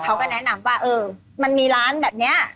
เขาก็แนะนำว่าเออมันมีร้านแบบนี้